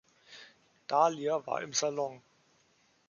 Dahlia war im Salon.